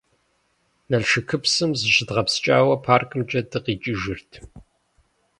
Налшыкыпсым зыщыдгъэпскӀауэ паркымкӀэ дыкъикӀыжырт.